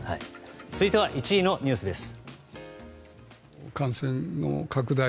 続いては、１位のニュースです。